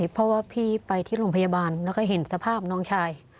เพราะว่าพี่ไปที่โรงพยาบาลแล้วก็เห็นสภาพน้องชาย